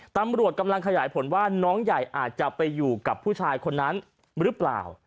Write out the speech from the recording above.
ตำรวจกำลังขยายผลว่าน้องใหญ่อาจจะไปอยู่กับผู้ชายคนนั้นหรือเปล่า